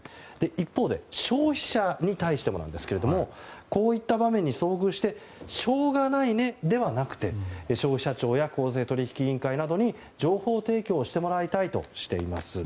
一方で、消費者に対してもこういった場面に遭遇してしょうがないねではなくて消費者庁や公正取引委員会に情報提供をしてもらいたいとしています。